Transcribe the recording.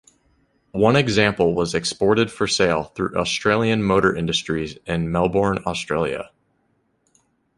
One example was exported for sale through Australian Motor Industries in Melbourne, Australia.